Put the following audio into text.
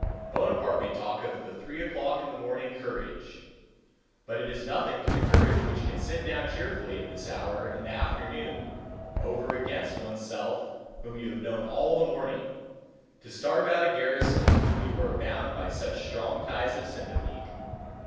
Bonaparte may talk of the three o'clock in the morning courage, but it is nothing to the courage which can sit down cheerfully at this hour in the afternoon over against one's self whom you have known all the morning, to starve out a garrison to whom you are bound by such strong ties of sympathy.